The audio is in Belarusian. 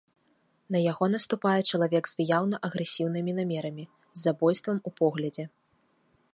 На яго наступае чалавек з выяўна агрэсіўнымі намерамі, з забойствам у поглядзе.